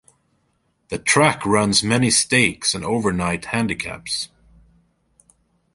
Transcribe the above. The track runs many stakes and overnight handicaps.